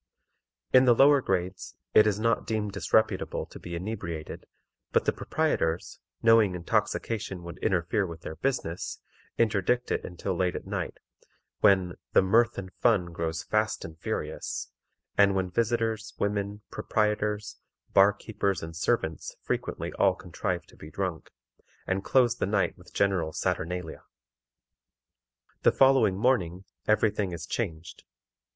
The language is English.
In the lower grades it is not deemed disreputable to be inebriated, but the proprietors, knowing intoxication would interfere with their business, interdict it until late at night, when "the mirth and fun grows fast and furious," and when visitors, women, proprietors, bar keepers, and servants frequently all contrive to be drunk, and close the night with a general saturnalia. The following morning, every thing is changed.